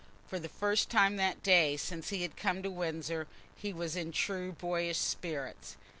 For the first time that day since he had come to Windsor, he was in true boyish spirits.